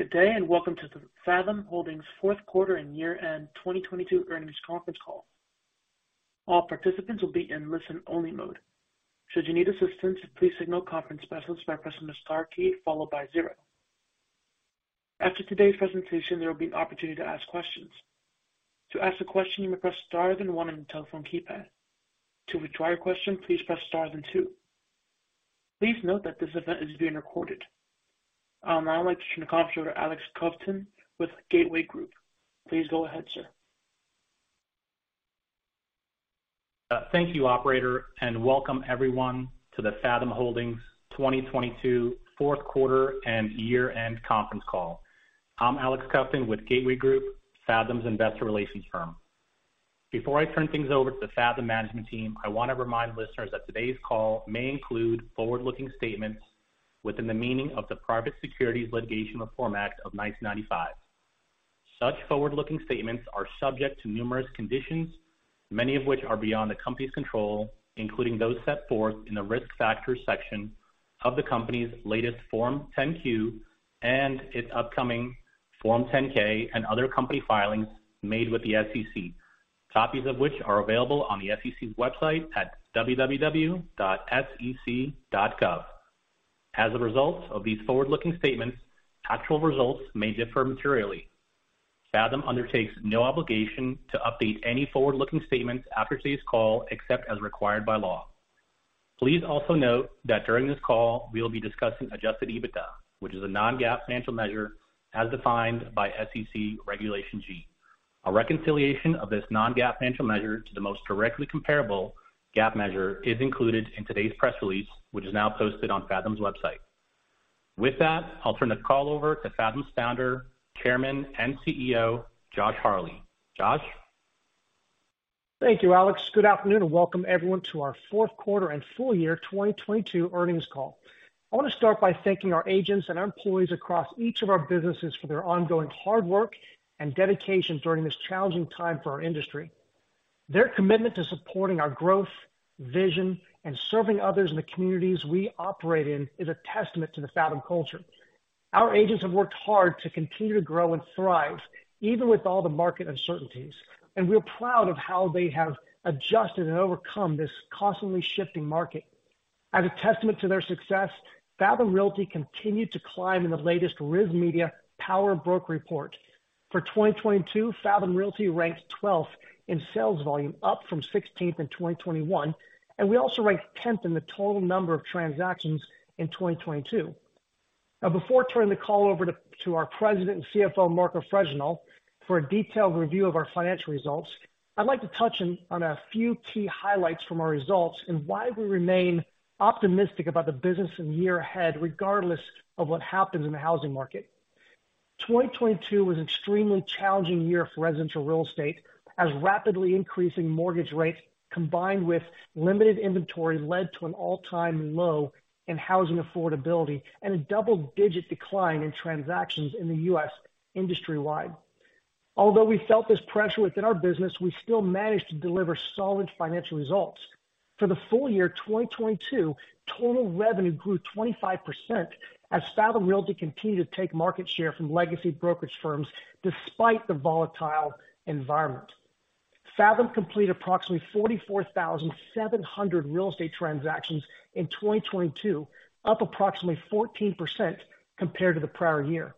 Good day, and welcome to the Fathom Holdings Fourth Quarter and Year-End 2022 Earnings Conference Call. All participants will be in listen-only mode. Should you need assistance, please signal conference specialists by pressing the star key followed by zero. After today's presentation, there will be an opportunity to ask questions. To ask a question, you may press Star then one on your telephone keypad. To withdraw your question, please press Star then two. Please note that this event is being recorded. Now I'd like to turn the call over to Alex Kovtun with Gateway Group. Please go ahead, sir. Thank you, operator, and welcome everyone to the Fathom Holdings 2022 fourth quarter and year-end conference call. I'm Alex Kovtun with Gateway Group, Fathom's investor relations firm. Before I turn things over to the Fathom management team, I wanna remind listeners that today's call may include forward-looking statements within the meaning of the Private Securities Litigation Reform Act of 1995. Such forward-looking statements are subject to numerous conditions, many of which are beyond the company's control, including those set forth in the Risk Factors section of the company's latest Form 10-Q and its upcoming Form 10-K and other company filings made with the SEC. Copies of which are available on the SEC's website at www.sec.gov. As a result of these forward-looking statements, actual results may differ materially. Fathom undertakes no obligation to update any forward-looking statements after today's call, except as required by law. Please also note that during this call, we will be discussing adjusted EBITDA, which is a non-GAAP financial measure as defined by SEC Regulation G. A reconciliation of this non-GAAP financial measure to the most directly comparable GAAP measure is included in today's press release, which is now posted on Fathom's website. With that, I'll turn the call over to Fathom's Founder, Chairman, and CEO, Josh Harley. Josh? Thank you, Alex. Good afternoon, welcome everyone to our fourth quarter and full year 2022 earnings call. I want to start by thanking our agents and our employees across each of our businesses for their ongoing hard work and dedication during this challenging time for our industry. Their commitment to supporting our growth, vision, and serving others in the communities we operate in is a testament to the Fathom culture. Our agents have worked hard to continue to grow and thrive, even with all the market uncertainties, and we're proud of how they have adjusted and overcome this constantly shifting market. As a testament to their success, Fathom Realty continued to climb in the latest RISMedia Power Broker Report. For 2022, Fathom Realty ranked 12th in sales volume, up from 16th in 2021. We also ranked 10th in the total number of transactions in 2022. Before turning the call over to our President and CFO, Marco Fregenal, for a detailed review of our financial results, I'd like to touch on a few key highlights from our results and why we remain optimistic about the business and year ahead, regardless of what happens in the housing market. 2022 was an extremely challenging year for residential real estate, as rapidly increasing mortgage rates, combined with limited inventory, led to an all-time low in housing affordability and a double-digit decline in transactions in the U.S. industry-wide. We felt this pressure within our business, we still managed to deliver solid financial results. For the full year 2022, total revenue grew 25% as Fathom Realty continued to take market share from legacy brokerage firms despite the volatile environment. Fathom completed approximately 44,700 real estate transactions in 2022, up approximately 14% compared to the prior year.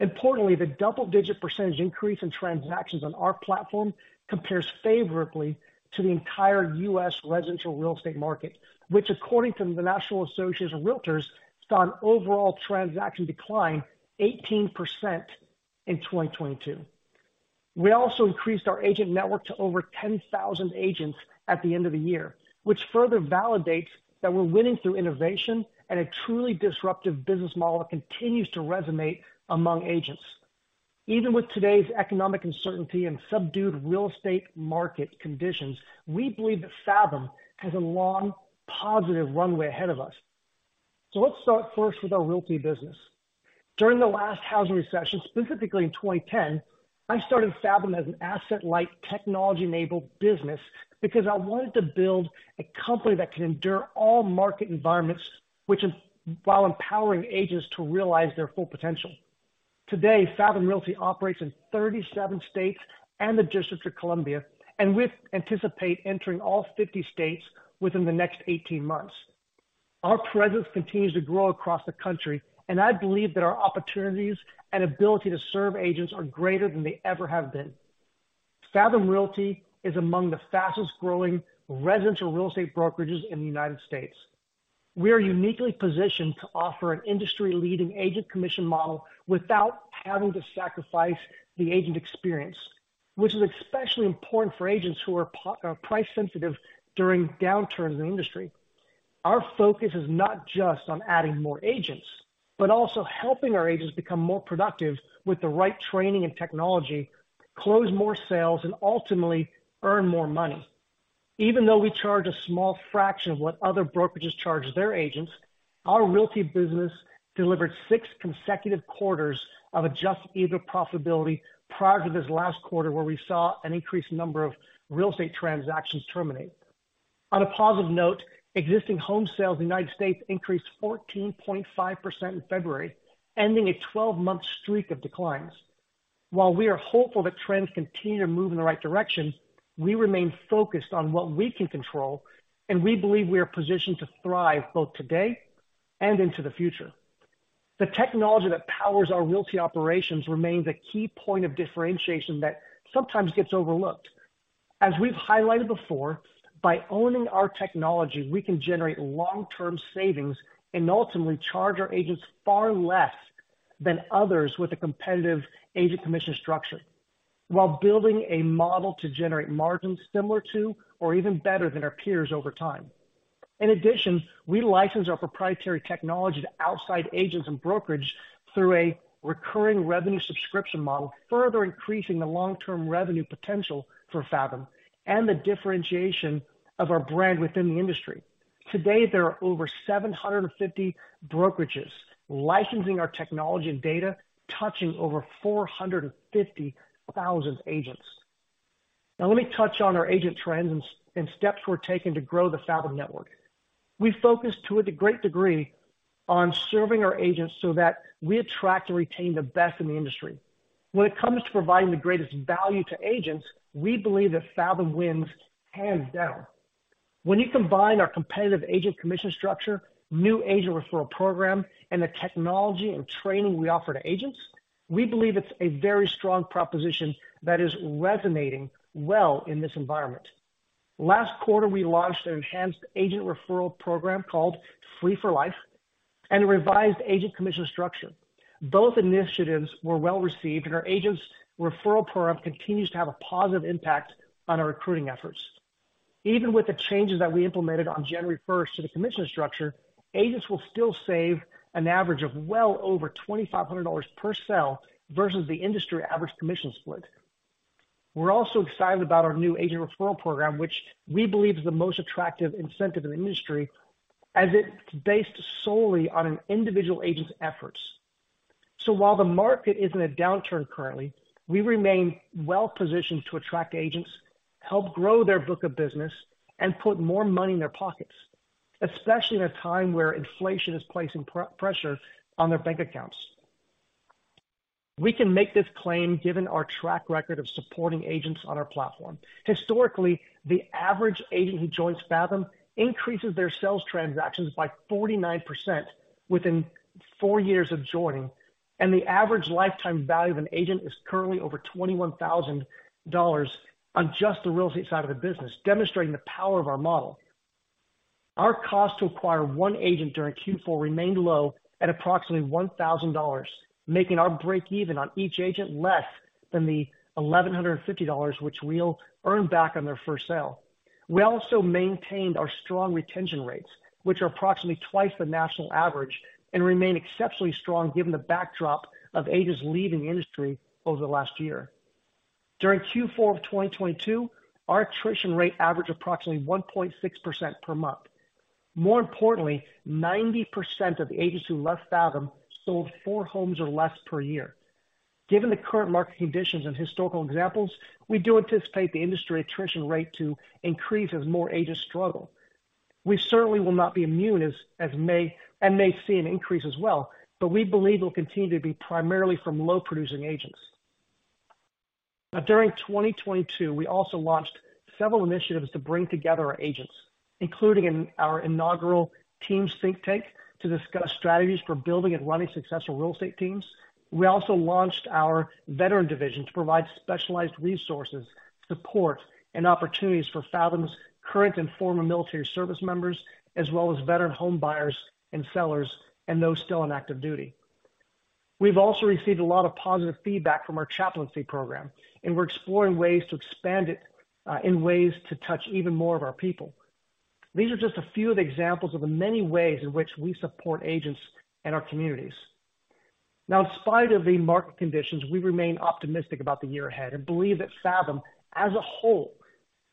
Importantly, the double-digit percentage increase in transactions on our platform compares favorably to the entire U.S. residential real estate market, which according to the National Association of Realtors, saw an overall transaction decline 18% in 2022. We also increased our agent network to over 10,000 agents at the end of the year, which further validates that we're winning through innovation and a truly disruptive business model that continues to resonate among agents. Even with today's economic uncertainty and subdued real estate market conditions, we believe that Fathom has a long, positive runway ahead of us. Let's start first with our realty business. During the last housing recession, specifically in 2010, I started Fathom as an asset-light, technology-enabled business because I wanted to build a company that can endure all market environments while empowering agents to realize their full potential. Today, Fathom Realty operates in 37 states and the District of Columbia, and we anticipate entering all 50 states within the next 18 months. Our presence continues to grow across the country, and I believe that our opportunities and ability to serve agents are greater than they ever have been. Fathom Realty is among the fastest-growing residential real estate brokerages in the United States. We are uniquely positioned to offer an industry-leading agent commission model without having to sacrifice the agent experience, which is especially important for agents who are price sensitive during downturns in the industry. Our focus is not just on adding more agents, but also helping our agents become more productive with the right training and technology, close more sales, and ultimately earn more money. Even though we charge a small fraction of what other brokerages charge their agents, our realty business delivered six consecutive quarters of adjusted EBITDA profitability prior to this last quarter where we saw an increased number of real estate transactions terminate. On a positive note, existing home sales in the United States increased 14.5% in February, ending a 12-month streak of declines. While we are hopeful that trends continue to move in the right direction, we remain focused on what we can control, and we believe we are positioned to thrive both today and into the future. The technology that powers our realty operations remains a key point of differentiation that sometimes gets overlooked. As we've highlighted before, by owning our technology, we can generate long-term savings and ultimately charge our agents far less than others with a competitive agent commission structure while building a model to generate margins similar to or even better than our peers over time. In addition, we license our proprietary technology to outside agents and brokerage through a recurring revenue subscription model, further increasing the long-term revenue potential for Fathom and the differentiation of our brand within the industry. Today, there are over 750 brokerages licensing our technology and data, touching over 450,000 agents. Now let me touch on our agent trends and steps we're taking to grow the Fathom network. We focus to a great degree on serving our agents so that we attract and retain the best in the industry. When it comes to providing the greatest value to agents, we believe that Fathom wins hands down. When you combine our competitive agent commission structure, new agent referral program, and the technology and training we offer to agents, we believe it's a very strong proposition that is resonating well in this environment. Last quarter, we launched an enhanced agent referral program called FREE4Life and a revised agent commission structure. Our agents' referral program continues to have a positive impact on our recruiting efforts. Even with the changes that we implemented on January first to the commission structure, agents will still save an average of well over $2,500 per sale versus the industry average commission split. We're also excited about our new agent referral program, which we believe is the most attractive incentive in the industry as it's based solely on an individual agent's efforts. While the market is in a downturn currently, we remain well-positioned to attract agents, help grow their book of business, and put more money in their pockets, especially in a time where inflation is placing pressure on their bank accounts. We can make this claim given our track record of supporting agents on our platform. Historically, the average agent who joins Fathom increases their sales transactions by 49% within four years of joining, and the average lifetime value of an agent is currently over $21,000 on just the real estate side of the business, demonstrating the power of our model. Our cost to acquire one agent during Q4 remained low at approximately $1,000, making our break even on each agent less than the $1,150, which we'll earn back on their first sale. We also maintained our strong retention rates, which are approximately twice the national average and remain exceptionally strong given the backdrop of agents leaving the industry over the last year. During Q4 of 2022, our attrition rate averaged approximately 1.6% per month. More importantly, 90% of the agents who left Fathom sold four homes or less per year. Given the current market conditions and historical examples, we do anticipate the industry attrition rate to increase as more agents struggle. We certainly will not be immune, and may see an increase as well, but we believe it'll continue to be primarily from low-producing agents. During 2022, we also launched several initiatives to bring together our agents, including in our inaugural Team Think Tank, to discuss strategies for building and running successful real estate teams. We also launched our veteran division to provide specialized resources, support, and opportunities for Fathom's current and former military service members, as well as veteran home buyers and sellers and those still on active duty. We've also received a lot of positive feedback from our chaplaincy program, and we're exploring ways to expand it in ways to touch even more of our people. These are just a few of the examples of the many ways in which we support agents and our communities. In spite of the market conditions, we remain optimistic about the year ahead and believe that Fathom as a whole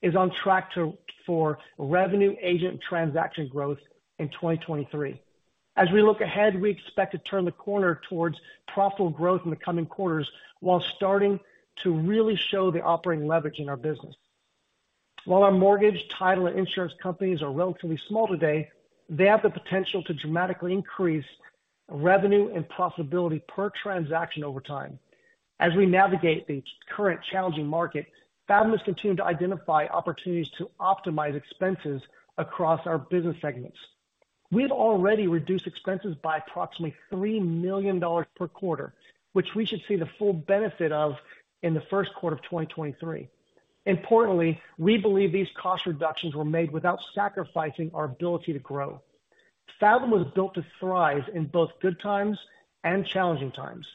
is on track for revenue agent transaction growth in 2023. As we look ahead, we expect to turn the corner towards profitable growth in the coming quarters while starting to really show the operating leverage in our business. While our mortgage, title, and insurance companies are relatively small today, they have the potential to dramatically increase revenue and profitability per transaction over time. As we navigate the current challenging market, Fathom has continued to identify opportunities to optimize expenses across our business segments. We've already reduced expenses by approximately $3 million per quarter, which we should see the full benefit of in the first quarter of 2023. Importantly, we believe these cost reductions were made without sacrificing our ability to grow. Fathom was built to thrive in both good times and challenging times.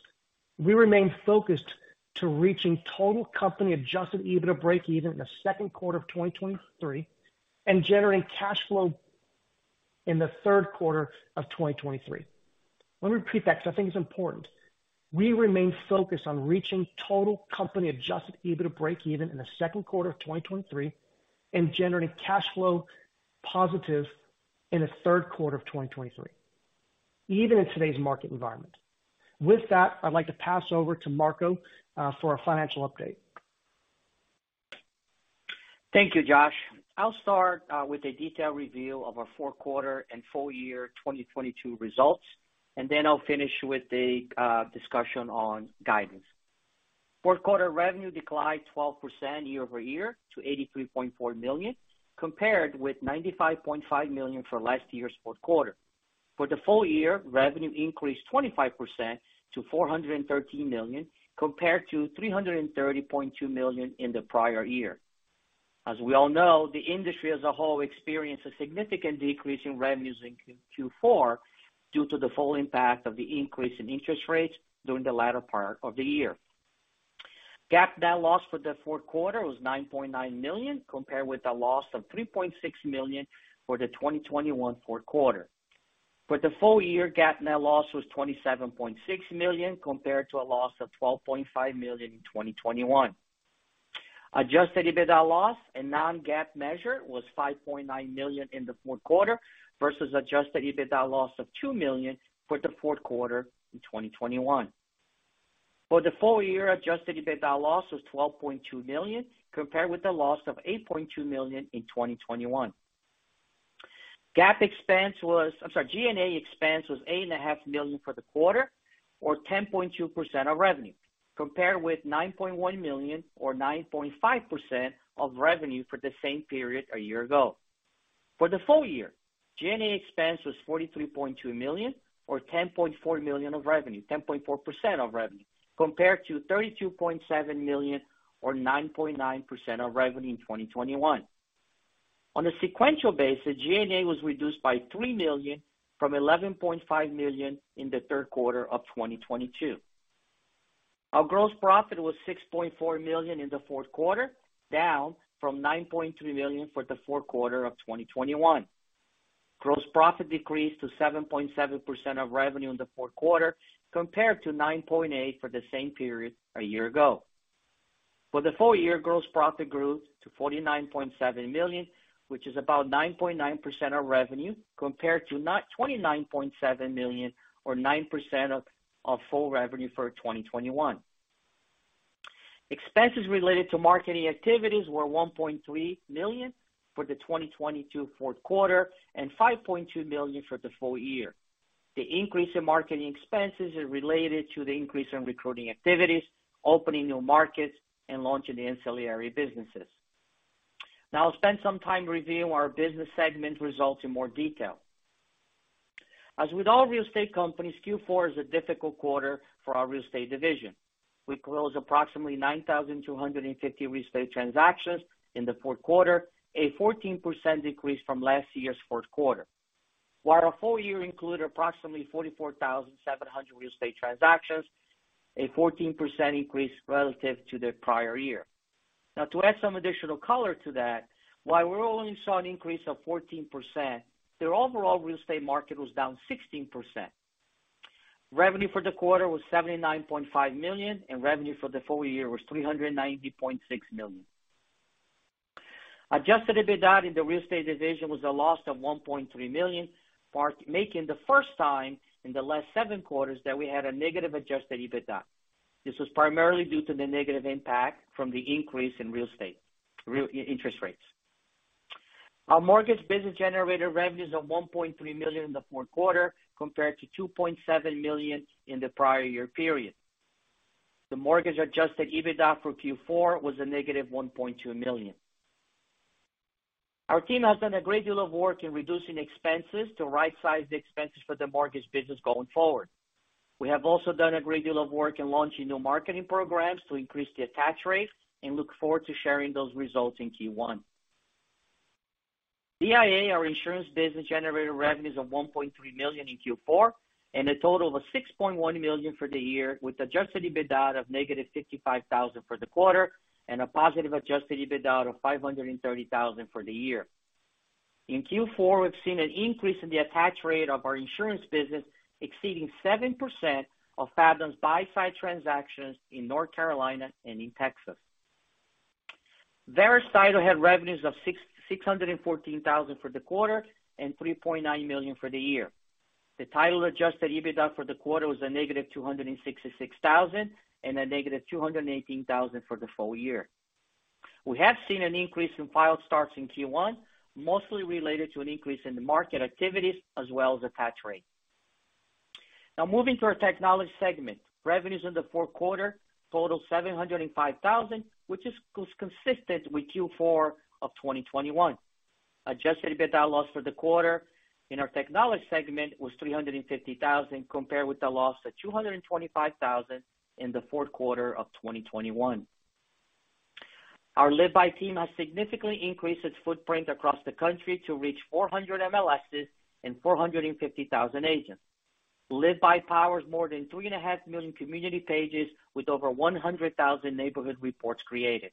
We remain focused to reaching total company adjusted EBITDA breakeven in the second quarter of 2023 and generating cash flow in the third quarter of 2023. Let me repeat that 'cause I think it's important. We remain focused on reaching total company adjusted EBITDA breakeven in the second quarter of 2023 and generating cash flow positive in the third quarter of 2023. Even in today's market environment. With that, I'd like to pass over to Marco for a financial update. Thank you, Josh. I'll start with a detailed review of our fourth quarter and full year 2022 results, and then I'll finish with the discussion on guidance. Fourth quarter revenue declined 12% year-over-year to $83.4 million, compared with $95.5 million for last year's fourth quarter. For the full year, revenue increased 25% to $413 million, compared to $330.2 million in the prior year. As we all know, the industry as a whole experienced a significant decrease in revenues in Q4 due to the full impact of the increase in interest rates during the latter part of the year. GAAP net loss for the fourth quarter was $9.9 million, compared with a loss of $3.6 million for the 2021 fourth quarter. For the full year, GAAP net loss was $27.6 million, compared to a loss of $12.5 million in 2021. Adjusted EBITDA loss and non-GAAP measure was $5.9 million in the fourth quarter versus adjusted EBITDA loss of $2 million for the fourth quarter in 2021. For the full year, adjusted EBITDA loss was $12.2 million, compared with a loss of $8.2 million in 2021. G&A expense was $ eight and a half million for the quarter or 10.2% of revenue, compared with $9.1 million or 9.5% of revenue for the same period a year ago. For the full year, G&A expense was $43.2 million or 10.4% of revenue, compared to $32.7 million or 9.9% of revenue in 2021. On a sequential basis, G&A was reduced by $3 million from $11.5 million in the third quarter of 2022. Our gross profit was $6.4 million in the fourth quarter, down from $9.3 million for the fourth quarter of 2021. Gross profit decreased to 7.7% of revenue in the fourth quarter, compared to 9.8% for the same period a year ago. For the full year, gross profit grew to $49.7 million, which is about 9.9% of revenue, compared to $29.7 million or 9% of full revenue for 2021. Expenses related to marketing activities were $1.3 million for the 2022 fourth quarter and $5.2 million for the full year. The increase in marketing expenses is related to the increase in recruiting activities, opening new markets and launching the ancillary businesses. I'll spend some time reviewing our business segment results in more detail. As with all real estate companies, Q4 is a difficult quarter for our real estate division. We closed approximately 9,250 real estate transactions in the fourth quarter, a 14% decrease from last year's fourth quarter. Our full year included approximately 44,700 real estate transactions, a 14% increase relative to the prior year. To add some additional color to that, while we only saw an increase of 14%, their overall real estate market was down 16%. Revenue for the quarter was $79.5 million, and revenue for the full year was $390.6 million. Adjusted EBITDA in the real estate division was a loss of $1.3 million, making the first time in the last seven quarters that we had a negative Adjusted EBITDA. This was primarily due to the negative impact from the increase in interest rates. Our mortgage business generated revenues of $1.3 million in the fourth quarter, compared to $2.7 million in the prior year period. The mortgage Adjusted EBITDA for Q4 was a negative $1.2 million. Our team has done a great deal of work in reducing expenses to right size the expenses for the mortgage business going forward. We have also done a great deal of work in launching new marketing programs to increase the attach rate and look forward to sharing those results in Q1. DIA, our insurance business, generated revenues of $1.3 million in Q4 and a total of $6.1 million for the year, with adjusted EBITDA of negative $55,000 for the quarter and a positive adjusted EBITDA of $530,000 for the year. In Q4, we've seen an increase in the attach rate of our insurance business exceeding 7% of Fathom's buy-side transactions in North Carolina and in Texas. Verus Title had revenues of $614,000 for the quarter and $3.9 million for the year. The title adjusted EBITDA for the quarter was -$266,000 and -$218,000 for the full year. We have seen an increase in file starts in Q1, mostly related to an increase in the market activities as well as attach rate. Moving to our technology segment. Revenues in the fourth quarter totaled $705,000, which is consistent with Q4 of 2021. Adjusted EBITDA loss for the quarter in our technology segment was $350,000, compared with a loss of $225,000 in the fourth quarter of 2021. Our LiveBy team has significantly increased its footprint across the country to reach 400 MLSs and 450,000 agents. LiveBy powers more than 3.5 million community pages with over 100,000 neighborhood reports created.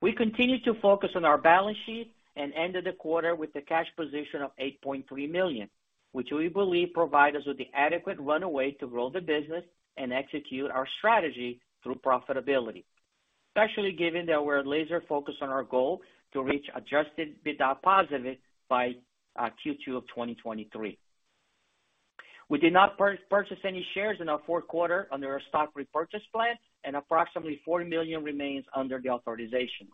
We continue to focus on our balance sheet and ended the quarter with a cash position of $8.3 million, which we believe provide us with the adequate runway to grow the business and execute our strategy through profitability. Especially given that we're laser focused on our goal to reach adjusted EBITDA positive by Q2 of 2023. We did not purchase any shares in our fourth quarter under our stock repurchase plan, and approximately $40 million remains under the authorization.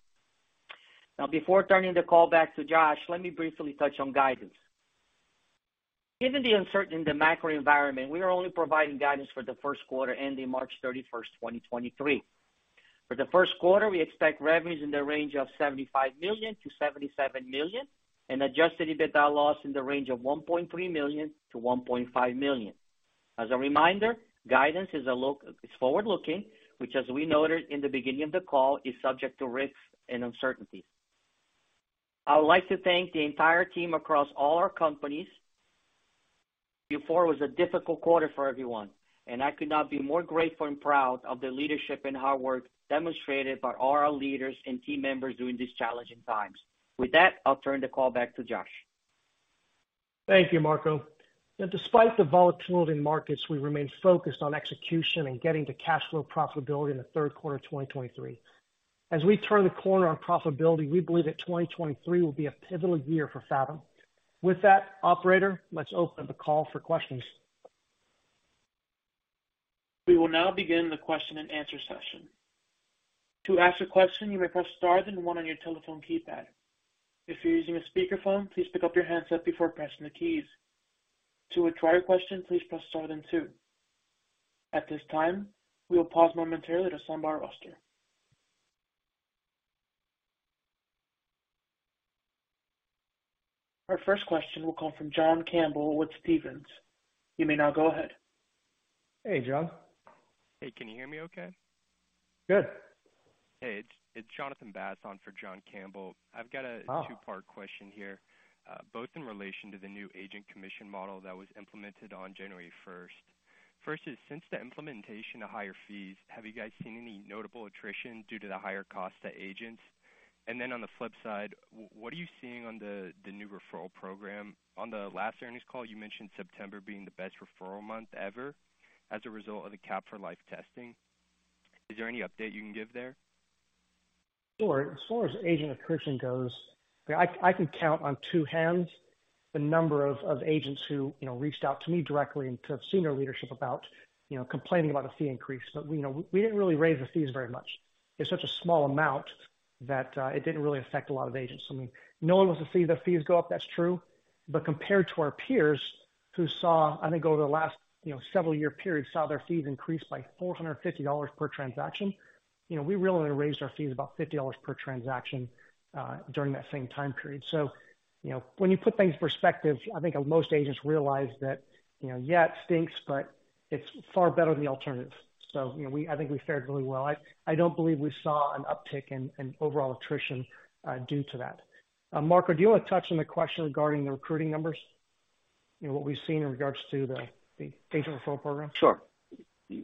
Before turning the call back to Josh, let me briefly touch on guidance. Given the uncertainty in the macro environment, we are only providing guidance for the first quarter ending March 31st, 2023. For the first quarter, we expect revenues in the range of $75 million-$77 million and adjusted EBITDA loss in the range of $1.3 million-$1.5 million. As a reminder, guidance is forward-looking, which, as we noted in the beginning of the call, is subject to risks and uncertainties. I would like to thank the entire team across all our companies. Q4 was a difficult quarter for everyone, and I could not be more grateful and proud of the leadership and hard work demonstrated by all our leaders and team members during these challenging times. With that, I'll turn the call back to Josh. Thank you, Marco. Despite the volatility in markets, we remain focused on execution and getting to cash flow profitability in the third quarter of 2023. As we turn the corner on profitability, we believe that 2023 will be a pivotal year for Fathom. Operator, let's open up the call for questions. We will now begin the question and answer session. To ask a question, you may press star then one on your telephone keypad. If you're using a speakerphone, please pick up your handset before pressing the keys. To withdraw your question, please press star then two. At this time, we will pause momentarily to assemble our roster. Our first question will come from John Campbell with Stephens. You may now go ahead. Hey, John. Hey, can you hear me okay? Good. Hey, it's Jonathan Bass on for John Campbell. Oh. I've got a two-part question here, both in relation to the new agent commission model that was implemented on January first. First is, since the implementation of higher fees, have you guys seen any notable attrition due to the higher cost to agents? Then on the flip side, what are you seeing on the new referral program? On the last earnings call, you mentioned September being the best referral month ever as a result of the CAP4Life testing. Is there any update you can give there? Sure. As far as agent attrition goes, I can count on two hands the number of agents who, you know, reached out to me directly and to senior leadership about, you know, complaining about a fee increase. You know, we didn't really raise the fees very much. It's such a small amount that it didn't really affect a lot of agents. I mean, no one wants to see their fees go up, that's true. Compared to our peers who saw, I think, over the last, you know, several year period, saw their fees increase by $450 per transaction. You know, we really only raised our fees about $50 per transaction during that same time period. You know, when you put things in perspective, I think most agents realize that, you know, yeah, it stinks, but it's far better than the alternative. You know, I think we fared really well. I don't believe we saw an uptick in overall attrition due to that. Marco, do you wanna touch on the question regarding the recruiting numbers? You know, what we've seen in regards to the agent referral program? Sure.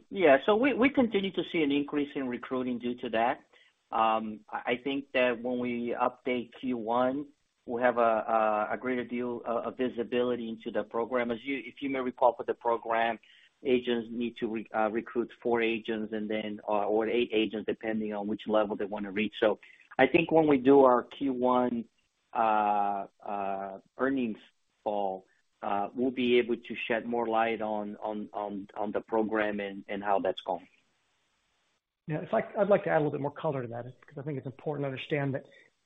Yeah, we continue to see an increase in recruiting due to that. I think that when we update Q1, we'll have a greater deal of visibility into the program. If you may recall for the program, agents need to recruit four agents and then or eight agents, depending on which level they wanna reach. I think when we do our Q1 earnings call, we'll be able to shed more light on the program and how that's going. Yeah, in fact, I'd like to add a little bit more color to that because I think it's important to understand that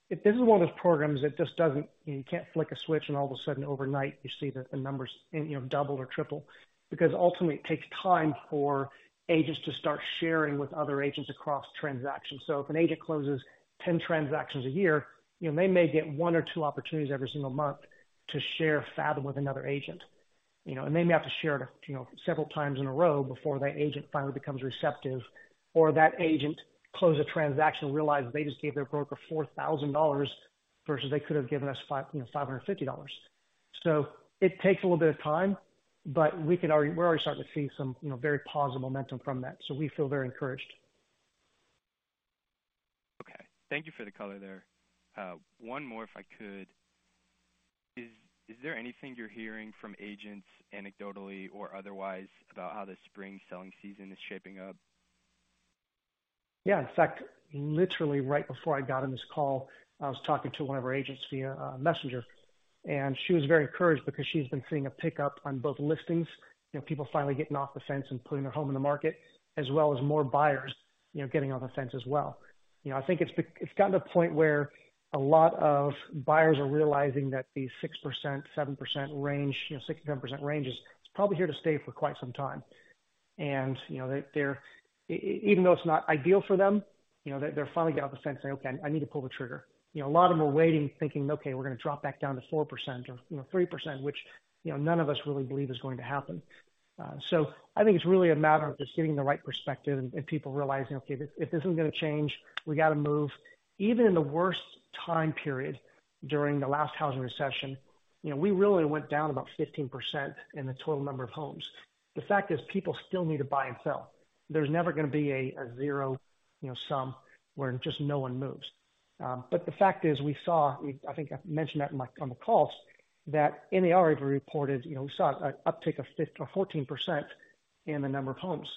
this is one of those programs that just doesn't, you know, you can't flick a switch and all of a sudden overnight you see the numbers, you know, double or triple. Ultimately it takes time for agents to start sharing with other agents across transactions. So if an agent closes 10 transactions a year, you know, they may get one or two opportunities every single month to share Fathom with another agent. You know, and they may have to share it, you know, several times in a row before that agent finally becomes receptive, or that agent closes a transaction and realizes they just gave their broker $4,000 versus they could have given us $550. It takes a little bit of time, but we're already starting to see some, you know, very positive momentum from that. We feel very encouraged. Okay. Thank you for the color there. One more if I could. Is there anything you're hearing from agents anecdotally or otherwise about how the spring selling season is shaping up? Yeah. In fact, literally right before I got on this call, I was talking to one of our agents via Messenger. She was very encouraged because she's been seeing a pickup on both listings. You know, people finally getting off the fence and putting their home on the market, as well as more buyers, you know, getting on the fence as well. You know, I think it's gotten to a point where a lot of buyers are realizing that the 6%, 7% range, you know, 6%-7% range is probably here to stay for quite some time. You know, even though it's not ideal for them, you know, they're finally getting off the fence saying, "Okay, I need to pull the trigger." You know, a lot of them are waiting, thinking, "Okay, we're gonna drop back down to 4% or, you know, 3%," which, you know, none of us really believe is going to happen. I think it's really a matter of just getting the right perspective and people realizing, okay, if this isn't gonna change, we gotta move. Even in the worst time period during the last housing recession, you know, we really went down about 15% in the total number of homes. The fact is, people still need to buy and sell. There's never gonna be a zero, you know, sum where just no one moves. The fact is we saw, I think I mentioned that on the calls, that NAR reported, you know, we saw an uptick of 14% in the number of homes.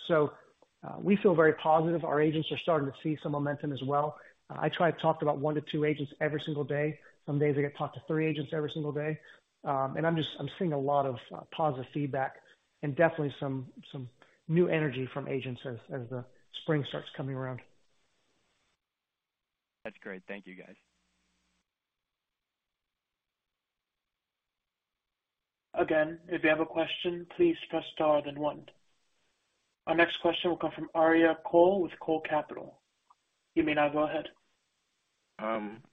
We feel very positive. Our agents are starting to see some momentum as well. I try to talk to about one to two agents every single day. Some days I get to talk to three agents every single day. I'm just, I'm seeing a lot of positive feedback and definitely some new energy from agents as the spring starts coming around. That's great. Thank you, guys. If you have a question, please press star then one. Our next question will come from Aryeh Cole with Cole Capital. You may now go ahead.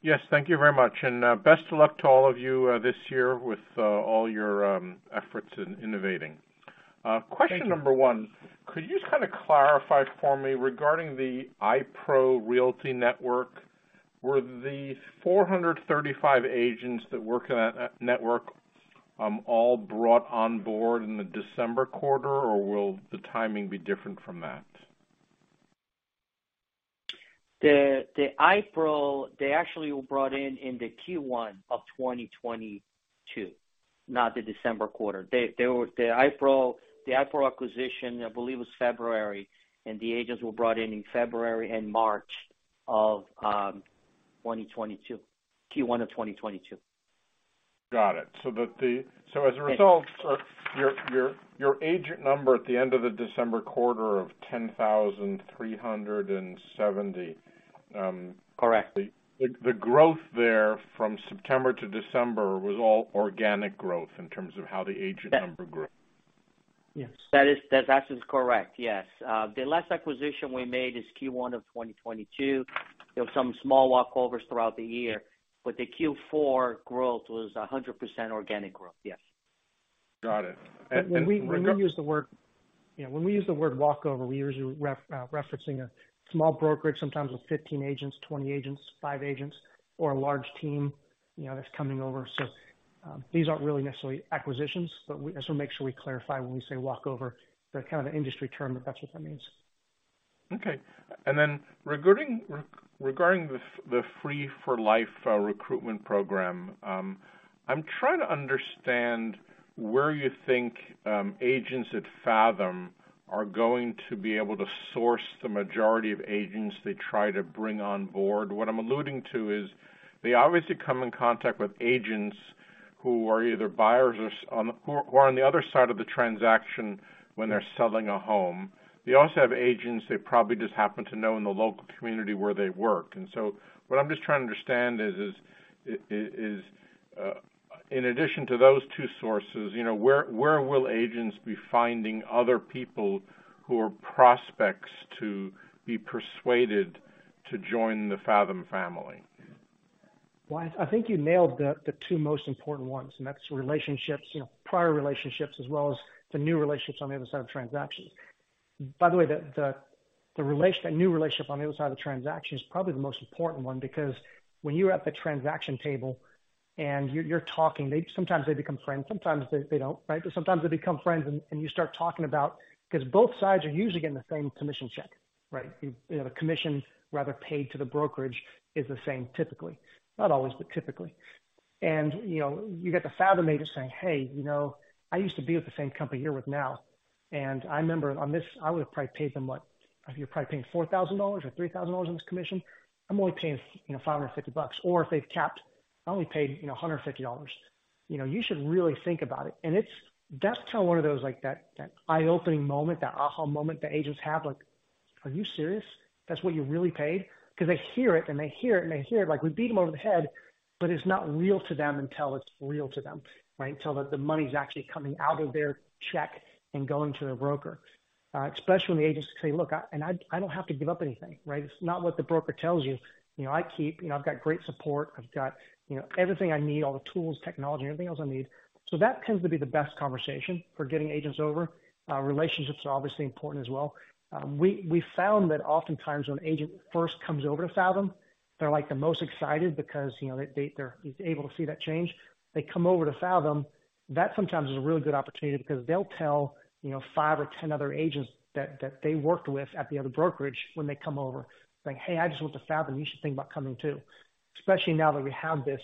Yes, thank you very much. Best of luck to all of you this year with all your efforts in innovating. Question number one, could you just kinda clarify for me regarding the iPro Realty Network, were the 435 agents that work in that network, all brought on board in the December quarter? Or will the timing be different from that? The iPro, they actually were brought in in the Q1 of 2022, not the December quarter. The iPro acquisition, I believe, was February, and the agents were brought in in February and March of 2022. Q1 of 2022. Got it. that Yeah. As a result, your agent number at the end of the December quarter of 10,370. Correct. The growth there from September to December was all organic growth in terms of how the agent number grew. Yes. That is correct, yes. The last acquisition we made is Q1 of 2022. There were some small walkovers throughout the year, the Q4 growth was 100% organic growth, yes. Got it. When we use the word, you know, when we use the word walkover, we usually referencing a small brokerage, sometimes with 15 agents, 20 agents, five agents or a large team, you know, that's coming over. These aren't really necessarily acquisitions, but we just wanna make sure we clarify when we say walkover. They're kind of an industry term, but that's what that means. Okay. Regarding the FREE4Life recruitment program, I'm trying to understand where you think agents at Fathom are going to be able to source the majority of agents they try to bring on board. What I'm alluding to is they obviously come in contact with agents who are either buyers or who are on the other side of the transaction when they're selling a home. They also have agents they probably just happen to know in the local community where they work. What I'm just trying to understand is, in addition to those two sources, you know, where will agents be finding other people who are prospects to be persuaded to join the Fathom family? Well, I think you nailed the two most important ones, and that's relationships, you know, prior relationships as well as the new relationships on the other side of transactions. By the way, the new relationship on the other side of the transaction is probably the most important one because when you are at the transaction table and you're talking, sometimes they become friends, sometimes they don't, right? Sometimes they become friends and you start talking about... 'cause both sides are usually getting the same commission check, right? You know, the commission rather paid to the brokerage is the same typically. Not always, but typically. You know, you get the Fathom agent saying, "Hey, you know, I used to be with the same company you're with now. I remember on this, I would have probably paid them what? You're probably paying $4,000 or $3,000 on this commission. I'm only paying you know, $550." Or if they've capped, "I only paid, you know, $150. You know, you should really think about it." It's, that's kind of one of those like that eye-opening moment, that aha moment that agents have. Like, "Are you serious? That's what you really paid?" 'Cause they hear it and they hear it and they hear it like we beat them over the head, but it's not real to them until it's real to them, right? Until the money's actually coming out of their check and going to their broker. Especially when the agents say, "Look, And I don't have to give up anything, right? It's not what the broker tells you. You know, I keep... You know, I've got great support. I've got, you know, everything I need, all the tools, technology, everything else I need." That tends to be the best conversation for getting agents over. Relationships are obviously important as well. We found that oftentimes when an agent first comes over to Fathom, they're like the most excited because, you know, they're able to see that change. They come over to Fathom. That sometimes is a really good opportunity because they'll tell, you know, five or 10 other agents that they worked with at the other brokerage when they come over, like, "Hey, I just went to Fathom. You should think about coming too." Especially now that we have this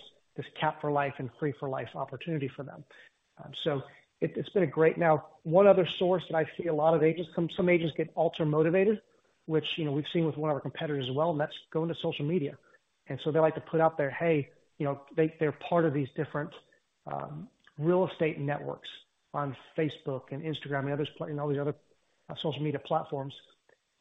CAP4Life and FREE4Life opportunity for them. It's been a great... Now, one other source that I see a lot of agents come, some agents get ultra motivated, which, you know, we've seen with one of our competitors as well, and that's going to social media. They like to put out there, hey, you know, they're part of these different real estate networks on Facebook and Instagram and others and all these other social media platforms,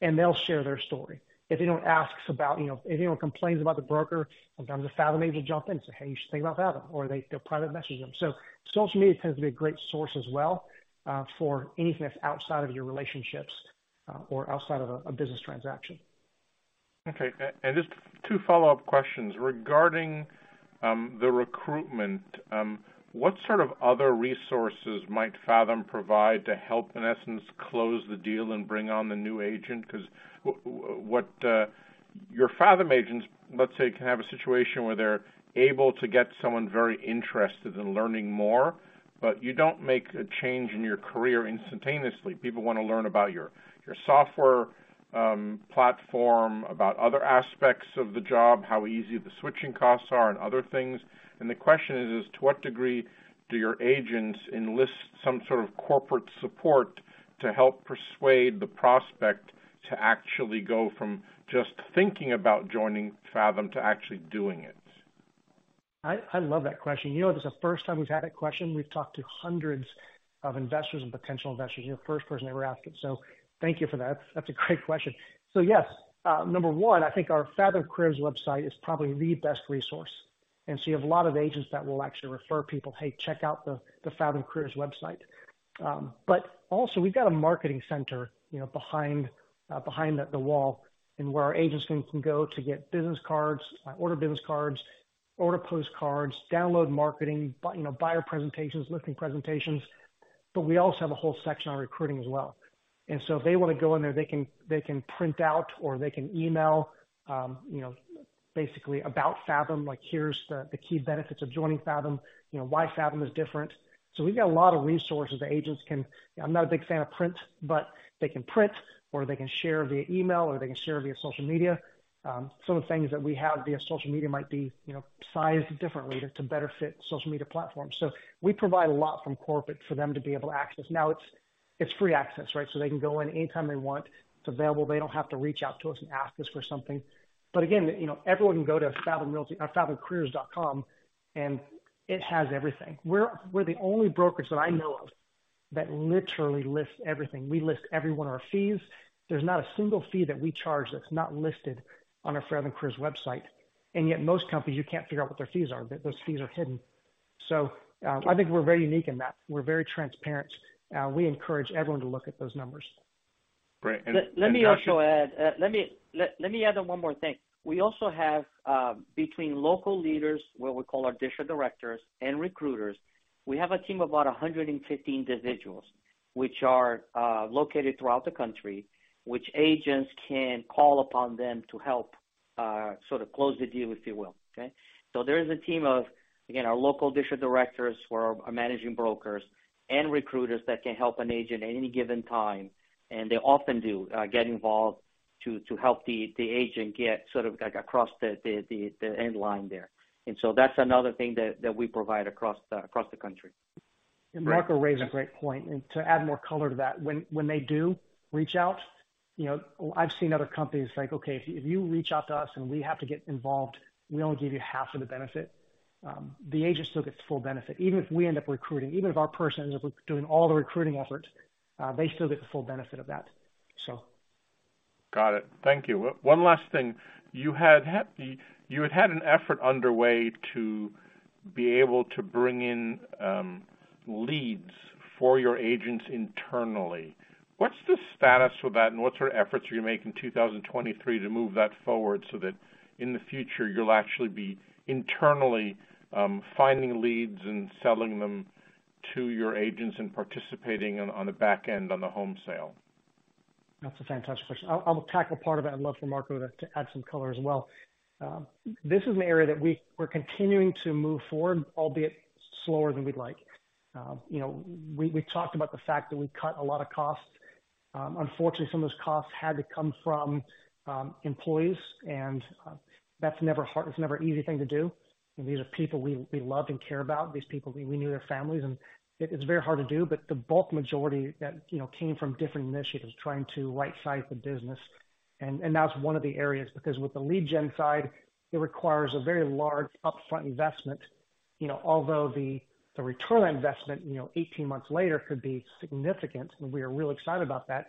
and they'll share their story. If anyone asks about, you know, if anyone complains about the broker, sometimes the Fathom agent will jump in and say, "Hey, you should think about Fathom." They'll private message them. Social media tends to be a great source as well, for anything that's outside of your relationships, or outside of a business transaction. Okay. Just two follow-up questions. Regarding the recruitment, what sort of other resources might Fathom provide to help, in essence, close the deal and bring on the new agent? 'Cause what, Your Fathom agents, let's say, can have a situation where they're able to get someone very interested in learning more, but you don't make a change in your career instantaneously. People wanna learn about your software, platform, about other aspects of the job, how easy the switching costs are and other things. The question is, to what degree do your agents enlist some sort of corporate support to help persuade the prospect to actually go from just thinking about joining Fathom to actually doing it? I love that question. You know, this is the first time we've had that question. We've talked to hundreds of investors and potential investors. You're the first person to ever ask it. Thank you for that. That's a great question. Yes. Number one, I think our Fathom Careers website is probably the best resource. You have a lot of agents that will actually refer people, "Hey, check out the Fathom Careers website." But also we've got a marketing center, you know, behind the wall and where our agents can go to get business cards, order business cards, order postcards, download marketing, you know, buyer presentations, listing presentations. We also have a whole section on recruiting as well. If they wanna go in there, they can print out or they can email, you know, basically about Fathom, like, here's the key benefits of joining Fathom, you know, why Fathom is different. We've got a lot of resources the agents can. You know, I'm not a big fan of print, but they can print or they can share via email or they can share via social media. Some of the things that we have via social media might be, you know, sized differently to better fit social media platforms. We provide a lot from corporate for them to be able to access. It's free access, right? They can go in anytime they want. It's available. They don't have to reach out to us and ask us for something. Again, you know, everyone can go to Fathom Realty, fathomcareers.com, and it has everything. We're the only brokerage that I know of that literally lists everything. We list every one of our fees. There's not a single fee that we charge that's not listed on our Fathom Careers website. Yet most companies, you can't figure out what their fees are. Those fees are hidden. I think we're very unique in that. We're very transparent. We encourage everyone to look at those numbers. Great. Let me also add. Let me add on one more thing. We also have, between local leaders, what we call our District Directors, and recruiters, we have a team of about 115 individuals, which are located throughout the country, which agents can call upon them to help sort of close the deal, if you will. Okay? There is a team of, again, our local District Directors who are managing brokers and recruiters that can help an agent at any given time, and they often do get involved to help the agent get sort of like across the end line there. That's another thing that we provide across the country. Great. Marco raised a great point. To add more color to that, when they do reach out, you know, I've seen other companies like, "Okay, if you reach out to us, and we have to get involved, we only give you half of the benefit." The agent still gets the full benefit. Even if we end up recruiting, even if our person ends up doing all the recruiting efforts, they still get the full benefit of that. Got it. Thank you. One last thing. You had had an effort underway to be able to bring in leads for your agents internally. What's the status with that, and what sort of efforts are you making in 2023 to move that forward so that in the future you'll actually be internally finding leads and selling them to your agents and participating on the back end on the home sale? That's a fantastic question. I'll tackle part of it. I'd love for Marco to add some color as well. This is an area that we're continuing to move forward, albeit slower than we'd like. you know, we talked about the fact that we cut a lot of costs. unfortunately, some of those costs had to come from employees. That's never hard. It's never an easy thing to do. These are people we love and care about. These people, we knew their families, and it's very hard to do. But the bulk majority that, you know, came from different initiatives trying to right-size the business. That's one of the areas, because with the lead gen side, it requires a very large upfront investment. You know, although the return on investment, you know, 18 months later could be significant, and we are real excited about that.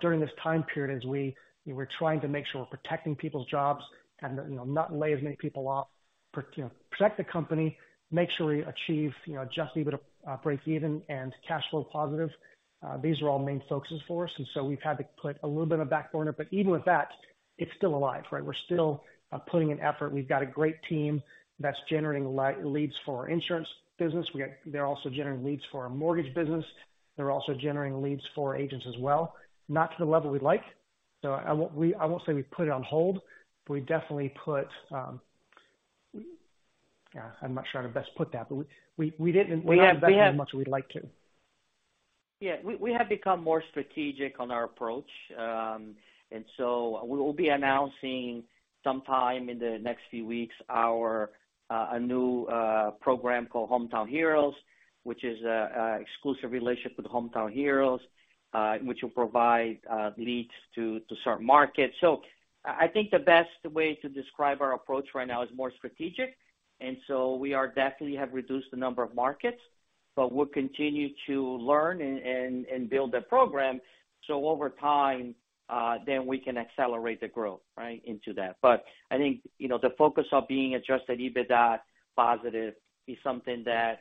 During this time period, as we were trying to make sure we're protecting people's jobs and, you know, not lay as many people off. You know, protect the company, make sure we achieve, you know, adjusted EBITDA breakeven and cash flow positive. These are all main focuses for us, we've had to put a little bit on the back burner. Even with that, it's still alive, right? We're still putting in effort. We've got a great team that's generating leads for our insurance business. They're also generating leads for our mortgage business. They're also generating leads for agents as well, not to the level we'd like. I won't say we've put it on hold, we definitely put. Yeah, I'm not sure how to best put that, we didn't- We have. We're not investing as much as we'd like to. Yeah. We have become more strategic on our approach. We will be announcing sometime in the next few weeks our a new program called Hometown Heroes, which is an exclusive relationship with Hometown Heroes, which will provide leads to certain markets. I think the best way to describe our approach right now is more strategic. We are definitely have reduced the number of markets, but we'll continue to learn and build that program. Over time, then we can accelerate the growth, right, into that. I think, you know, the focus of being adjusted EBITDA positive is something that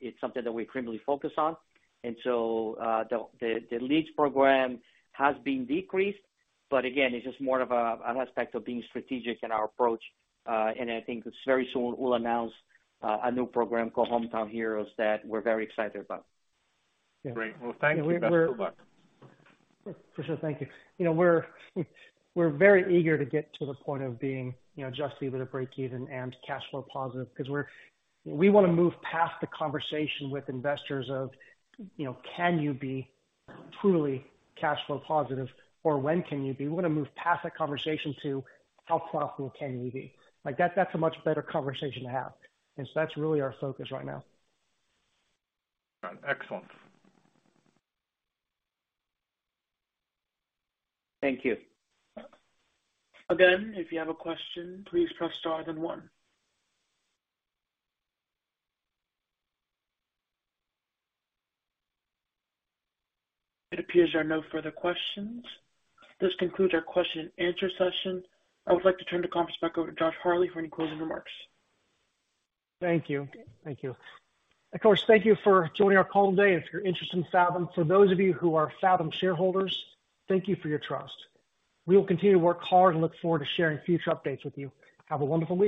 it's something that we're currently focused on. The, the leads program has been decreased, but again, it's just more of an aspect of being strategic in our approach. I think very soon we'll announce a new program called Hometown Heroes that we're very excited about. Great. Well, thank you. Best of luck. For sure. Thank you. You know, we're very eager to get to the point of being, you know, adjusted EBITDA breakeven and cash flow positive because we wanna move past the conversation with investors of, you know, can you be truly cash flow positive or when can you be? We wanna move past that conversation to how profitable can you be? Like, that's a much better conversation to have. That's really our focus right now. Excellent. Thank you. If you have a question, please press star then one. It appears there are no further questions. This concludes our question and answer session. I would like to turn the conference back over to Josh Harley for any closing remarks. Thank you. Thank you. Of course, thank you for joining our call today if you're interested in Fathom. For those of you who are Fathom shareholders, thank you for your trust. We will continue to work hard and look forward to sharing future updates with you. Have a wonderful day.